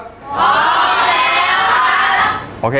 พร้อมแล้วครับ